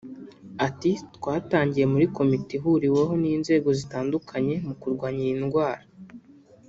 Ati” Twagiye muri komite ihuriweho n’inzego zitandukanye mu kurwanya iyi ndwara